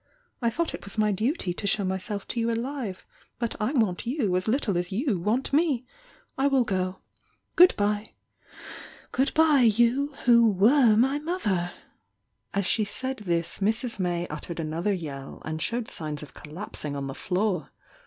I thought it was my 840 THE YOUNG DIANA I I duty to show myself to you alive — but I want you as little as you want me. I will go. Good bye! — Good bye you, who were my mother I" As she sail! this Mrs. May uttered another yell, and showed signs of collapsing on the floor.